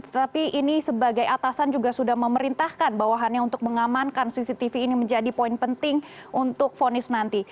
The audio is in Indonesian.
tetapi ini sebagai atasan juga sudah memerintahkan bawahannya untuk mengamankan cctv ini menjadi poin penting untuk fonis nanti